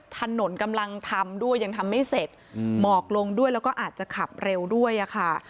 ถนนกำลังทำด้วยยังทำไม่เสร็จหมอกลงด้วยแล้วก็อาจจะขับเร็วด้วยอะค่ะ